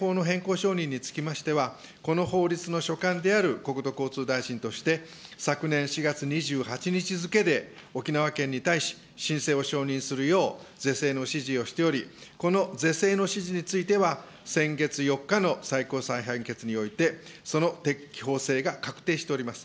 こうゆ水面埋立法変更承認につきましては、この法律の所管である国土交通大臣として、昨年４月２８日付で沖縄県に対し、申請を承認するよう是正の指示をしており、この是正の指示については、先月４日の最高裁判決において、その適法性が確定しております。